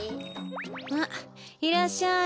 あっいらっしゃい。